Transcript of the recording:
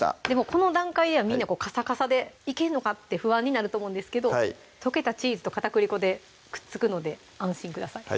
この段階ではみんなカサカサでいけんのかって不安になると思うんですけど溶けたチーズと片栗粉でくっつくので安心ください